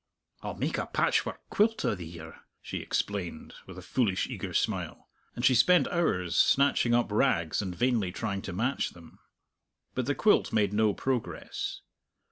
"I'll make a patchwork quilt o' thir!" she explained, with a foolish, eager smile; and she spent hours snatching up rags and vainly trying to match them. But the quilt made no progress.